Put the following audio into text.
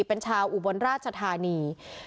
เป็นชาวอุบลราชธานี